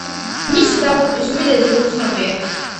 მისი დაღუპვის მიზეზი უცნობია.